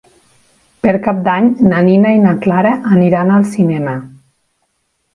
Per Cap d'Any na Nina i na Clara aniran al cinema.